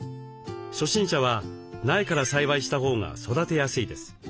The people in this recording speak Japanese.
初心者は苗から栽培したほうが育てやすいです。